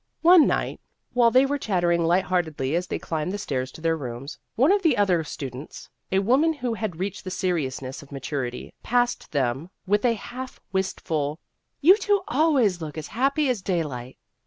One night, while they were chattering light heartedly as they climbed the stairs to their rooms, one of the other students a woman who had reached the seriousness of maturity passed them with a half wistful, " You two always look as happy as daylight."